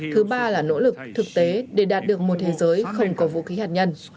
thứ ba là nỗ lực thực tế để đạt được một thế giới không có vũ khí hạt nhân